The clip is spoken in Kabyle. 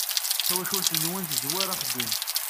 Tawacult-nwen tezwar axeddim.